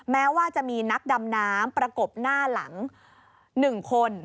แม้ว่าจะมีนักดำน้ำประกบหน้าหลัง๑คน